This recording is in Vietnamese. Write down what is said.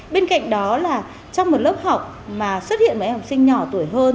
bên cạnh đó là trong một lớp học mà xuất hiện một em học sinh nhỏ tuổi hơn